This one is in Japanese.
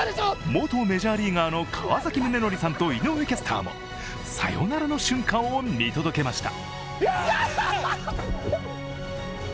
元メジャーリーガーの川崎宗則さんと井上キャスターもサヨナラの瞬間を見届けました。